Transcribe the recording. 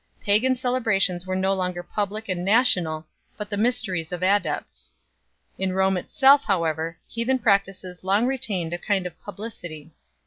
Pagan celebrations were no longer public and national, but the mysteries of adepts. In Rome itself, however, heathen practices long retained a kind of pub licity.